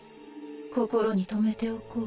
心に留めておこう。